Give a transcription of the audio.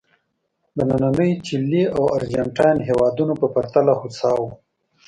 د نننۍ چیلي او ارجنټاین هېوادونو په پرتله هوسا وو.